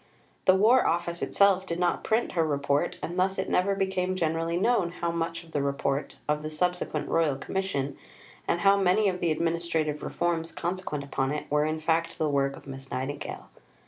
The War Office itself did not print her Report, and thus it never became generally known how much of the Report of the subsequent Royal Commission, and how many of the administrative reforms consequent upon it, were in fact the work of Miss Nightingale.